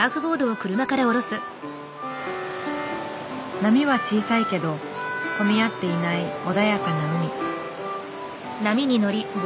波は小さいけど混み合っていない穏やかな海。